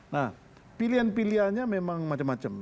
nah pilihan pilihannya memang macam macam